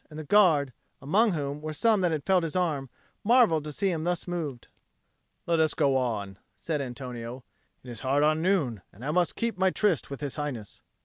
And the Guard, among whom were some that had felt his arm, marvelled to see him thus moved. "Let us go on," said Antonio. "It is hard on noon, and I must keep my tryst with His Highness."